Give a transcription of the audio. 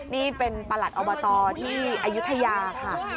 นี่เป็นประหลัดอบตที่อายุทยาค่ะ